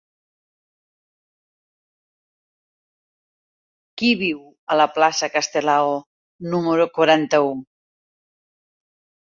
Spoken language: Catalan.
Qui viu a la plaça de Castelao número quaranta-u?